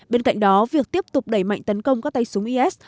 bên cạnh đó việc tiếp tục đẩy mạnh tấn công các tay súng is